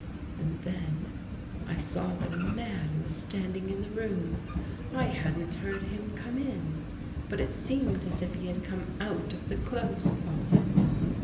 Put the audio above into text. And then I saw that a man was standing in the room. I hadn't heard him come in, but it seemed as if he had come out of the clothes closet.